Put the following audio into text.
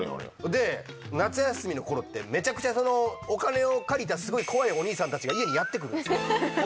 で、夏休みのころって、めちゃくちゃお金を借りた、すごい怖いお兄さんたちが家にやって来るんですよ。